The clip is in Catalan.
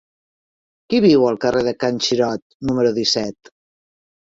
Qui viu al carrer de Can Xirot número disset?